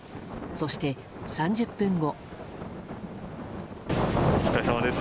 そして、３０分後。